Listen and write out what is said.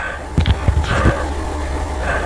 La agencia tiene su sede en Jackson.